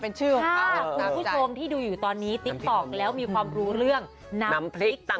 เป็นชื่อของคุณผู้ชมที่ดูอยู่ตอนนี้ติ๊กต๊อกแล้วมีความรู้เรื่องน้ำพริกต่ำ